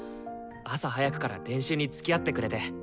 朝早くから練習につきあってくれて！